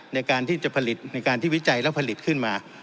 ในการที่จะผลิตในการที่วิจัยแล้วผลิตขึ้นมา